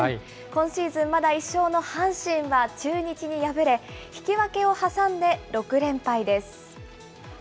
今シーズンまだ１勝の阪神は中日に敗れ、引き分けを挟んで６連敗です。